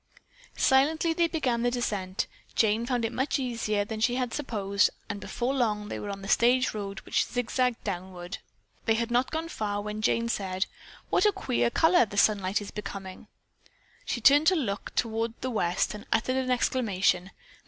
Silently they began the descent. Jane found it much easier than she had supposed and before long they were on the stage road which zigzagged downward. They had not gone far when Jane said: "What a queer color the sunlight is becoming." She turned to look toward the west and uttered an exclamation.